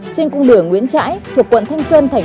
trên cung đường nguyễn trãi thuộc quận thanh xuân